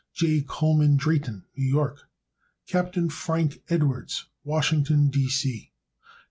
J. Coleman Drayton, New York. Capt. Frank Edwards, Washington, D. C. Dr.